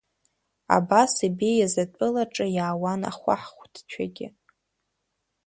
Абас ибеиаз атәылаҿы иаауан ахәаҳахәҭцәагьы.